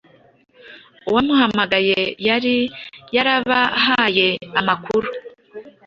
uwamuhamagaye yari yarabahaye amakuru